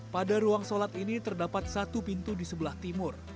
pada ruang sholat ini terdapat satu pintu di sebelah timur